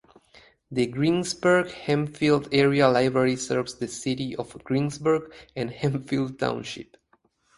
The Greensburg Hempfield Area Library serves the City of Greensburg and Hempfield Township.